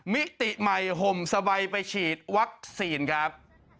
มิติใหม่ห่มสบายไปฉีดวัคซีนครับ